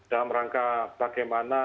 dalam rangka bagaimana